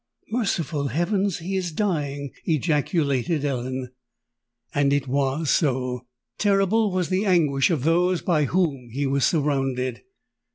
"Merciful heavens! he is dying!" ejaculated Ellen. And it was so! Terrible was the anguish of those by whom he was surrounded.